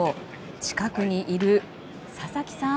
近くにいる佐々木さん